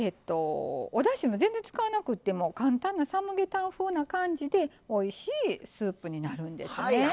おだしも全然使わなくても簡単なサムゲタン風な感じでおいしいスープになるんですね。